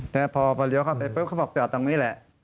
แต่พอเลี้ยวเข้าไปปุ๊บเขาบอกจอดตรงนี้แหละ